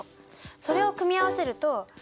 それを組み合わせると。